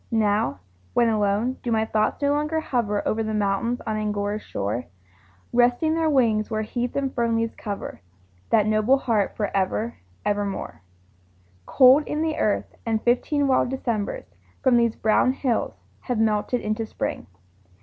Now, when alone, do my thoughts no longer hover Over the mountains on Angora's shore, Resting their wings, where heath and fern leaves cover That noble heart for ever, ever more? Cold in the earth, and fifteen wild Decembers From these brown hills have melted into Spring.